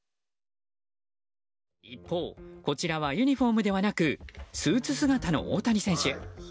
一方、こちらはユニホームではなくスーツ姿の大谷選手。